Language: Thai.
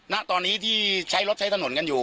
ณตอนนี้ที่ใช้รถใช้ถนนกันอยู่